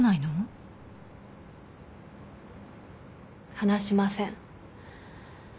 話しません。